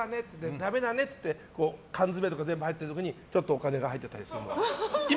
食べなねっていって缶詰とか全部入ってるところにちょっとお金が入っていたり。